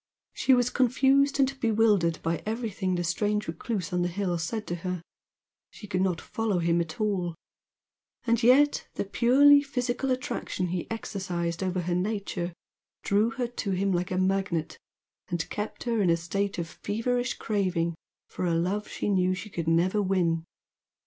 She was confused and bewildered by everything the strange recluse on the hill said to her, she could not follow him at all, and yet, the purely physical attraction he exercised over her nature drew her to him like a magnet and kept her in a state of feverish craving for a love she knew she could never win.